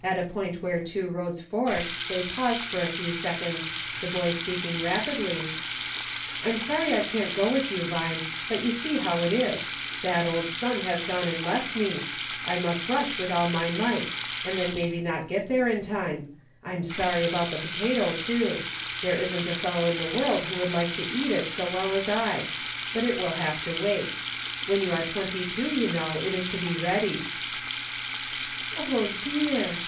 At a point where two roads forked they paused for a few seconds, the boy speaking rapidly : "MARCH ! I SAID." I7 " I'm sorry I can't go with you, Vine, but you see how it is ; that old sun has gone and left me ; 1 must rush with all my might, and then maybe not get there in time. I'm sorry about the potato, too ; there isn't a fellow in the world who would like to eat it so well as I ; but it will have to wait. When you are twenty two, you know, it is to be ready." " O, dear